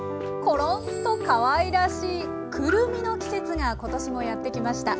コロンとかわいらしいくるみの季節が今年もやって来ました。